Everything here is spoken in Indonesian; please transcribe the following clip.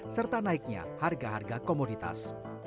serta naiknya harga harga komoditas